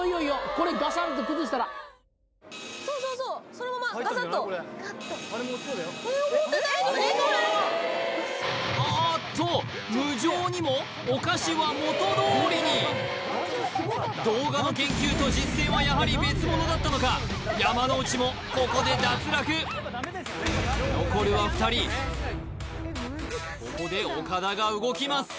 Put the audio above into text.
これガシャンって崩したらそうそうそうそのままガサッと思ってた以上にいかへんあっと無情にもお菓子は元どおりに動画の研究と実践はやはり別ものだったのか山之内もここで脱落残るは２人ここで岡田が動きます